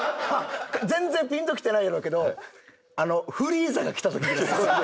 全然ピンときてないやろうけどフリーザが来た時ぐらい。